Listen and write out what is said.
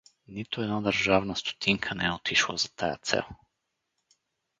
Нито една държавна стотинка не е отишла за тая цел.